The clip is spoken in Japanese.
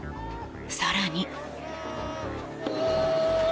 更に。